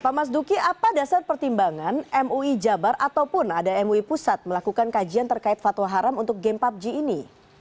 pak mas duki apa dasar pertimbangan mui jabar ataupun ada mui pusat melakukan kajian terkait fatwa haram untuk game pubg ini